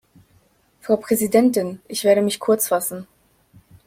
Frau Präsidentin, ich werde mich kurzfassen.